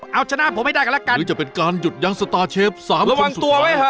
เอาชนะผมให้ได้กันแล้วกันหรือจะเป็นการหยุดยั้งสตอร์เชฟสามระวังตัวไว้เถอะ